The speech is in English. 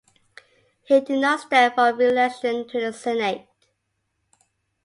He did not stand for re-election to the Senate.